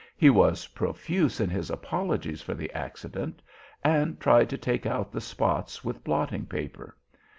He was profuse in his apologies for the accident, and tried to take out the spots with blotting paper.